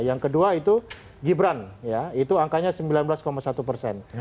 yang kedua itu gibran ya itu angkanya sembilan belas satu persen